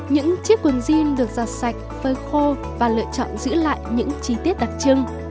những chiếc quần jean được giặt sạch phơi khô và lựa chọn giữ lại những chi tiết đặc trưng